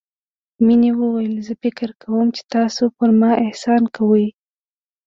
مينې وويل زه فکر کوم چې تاسو پر ما احسان کوئ.